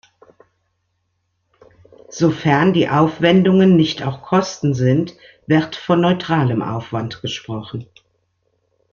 Sofern die Aufwendungen nicht auch Kosten sind, wird von neutralem Aufwand gesprochen.